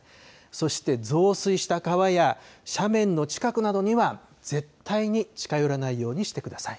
そして増水した川や斜面の近くなどには絶対に近寄らないようにしてください。